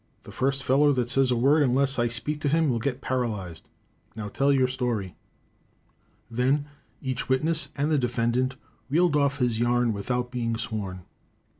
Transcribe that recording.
The first feller that says a word unless I speak to him will get paralyzed. Now tell your story." Then each witness and the defendant reeled off his yarn without being sworn.